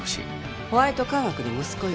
ホワイト化学の息子よ。